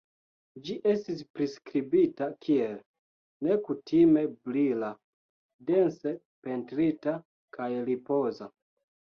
Ĝi estis priskribita kiel "nekutime brila, dense pentrita, kaj ripoza".